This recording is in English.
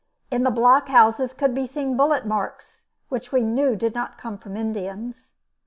In the blockhouses could be seen bullet marks which we knew did not come from Indians.